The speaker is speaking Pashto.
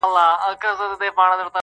ممتازه ما کښي يو منصور په بد مستی راغلی